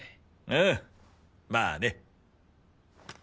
うんまあね。